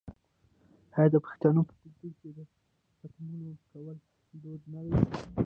آیا د پښتنو په کلتور کې د ختمونو کول دود نه دی؟